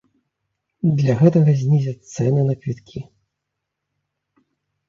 Для гэтага знізяць цэны на квіткі.